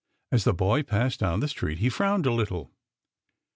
As the boy passed down the street he frowned a little.